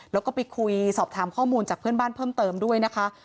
แล้วก็ไปคุยสอบถามข้อมูลจากเพื่อนบ้านเพิ่มเติมด้วยนะคะ